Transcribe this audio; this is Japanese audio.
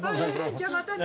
「じゃあまたね」